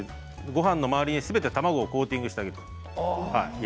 ごはんの周りを卵ですべてコーティングしてあげる。